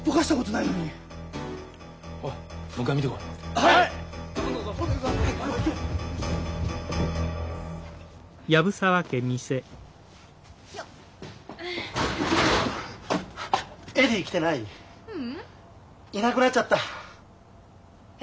いなくなっちゃった。え！？